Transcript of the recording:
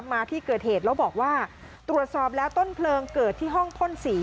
มาที่เกิดเหตุแล้วบอกว่าตรวจสอบแล้วต้นเพลิงเกิดที่ห้องพ่นสี